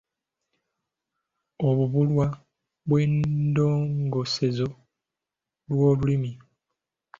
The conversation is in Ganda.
Obubulwa bw’eddongoosezo ly’olulimi